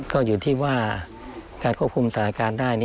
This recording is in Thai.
ก็อยู่ที่ว่าการควบคุมสถานการณ์ได้